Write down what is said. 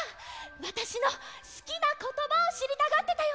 わたしのすきなことばをしりたがってたよね！